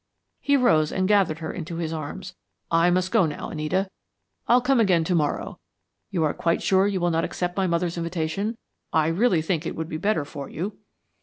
He rose and gathered her into his arms. "I must go now, Anita; I'll come again to morrow. You are quite sure that you will not accept my mother's invitation? I really think it would be better for you."